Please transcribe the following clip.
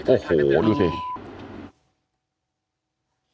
โอ้โหดูสิ